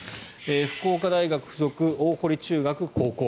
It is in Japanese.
福岡大学附属大濠中学・高校。